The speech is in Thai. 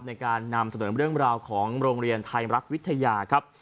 ในการนำเสนอเรื่องราวของโรงเรียนไทยรัฐวิทยาครับ